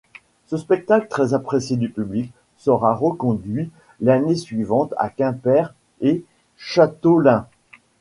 Ce spectacle très apprécié du public sera reconduit l'année suivantes à Quimper et Chateaulin.